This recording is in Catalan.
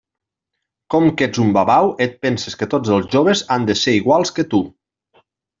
Com que ets un babau, et penses que tots els joves han de ser iguals que tu.